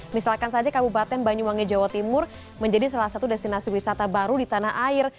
misalkan saja kabupaten banyuwangi jawa timur menjadi salah satu destinasi wisata baru di tanah air